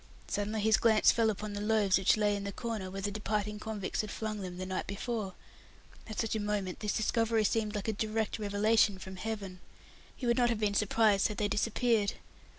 Suddenly his glance fell upon the food rations which lay in the corner where the departing convicts had flung them the night before. At such a moment, this discovery seemed like a direct revelation from Heaven. He would not have been surprised had they disappeared.